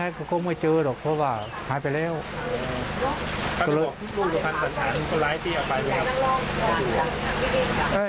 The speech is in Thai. แล้วลูกลูกของท่านสัญญาณร้ายที่ออกไปไหนครับ